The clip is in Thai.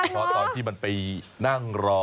เพราะตอนที่มันไปนั่งรอ